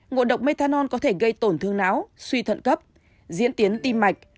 ngộ độc methanol có thể gây tổn thương não suy thận cấp diễn tiến tim mạch